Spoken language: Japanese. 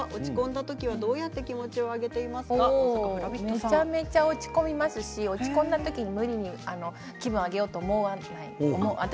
めちゃめちゃ落ち込みますし落ち込んだときに無理に気分を上げようと思わない。